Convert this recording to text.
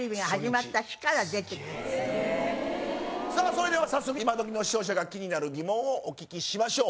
それでは早速今どきの視聴者が気になる疑問をお聞きしましょう。